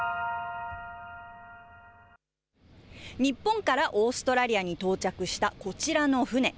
日本からオーストラリアに到着したこちらの船。